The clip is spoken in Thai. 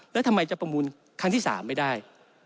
แล้วทำไมจะประมูลครั้งที่๓ไม่ได้